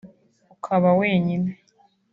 ukaba wenyine